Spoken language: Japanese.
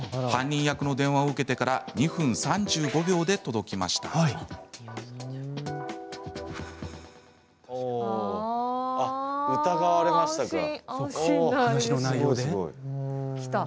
犯人役の電話を受けてから２分３５秒で届きました。